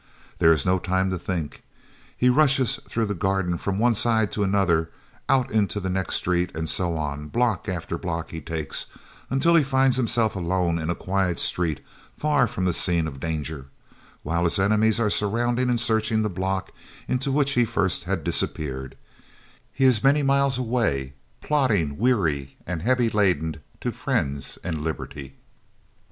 There is no time to think. He rushes through the garden from one side to another, out into the next street, and so on; block after block he takes, until he finds himself alone in a quiet street, far from the scene of danger, and while his enemies are surrounding and searching the block into which he first had disappeared, he is many miles away, plodding weary and heavy laden to friends and liberty.